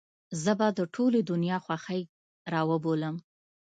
زه به د ټولې دنيا خوښۍ راوبولم.